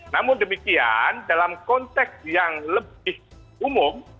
namun demikian dalam konteks yang lebih umum